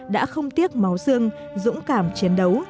đã không tiếc máu xương dũng cảm chiến đấu